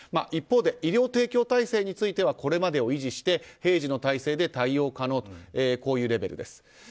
一方で医療提供体制についてはこれまでを維持して平時の体制で対応可能とこういうレベルです。